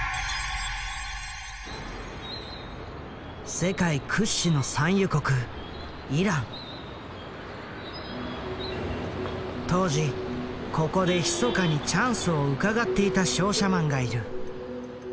世界屈指の産油国当時ここでひそかにチャンスをうかがっていた商社マンがいる。